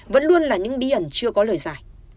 vẫn luôn là những bí ẩn chưa có lời giải